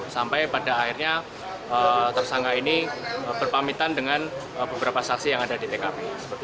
sampai pada akhirnya tersangka ini berpamitan dengan beberapa saksi yang ada di tkp